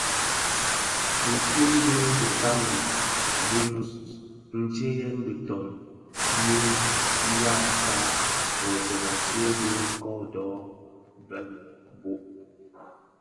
Nsiň dhi ditani di nôs, ntseyèn diton nyi nʼyaksag tsōzèn atsee bë kodo bëmebög.